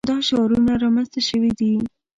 دا شعارونه رامنځته شوي دي.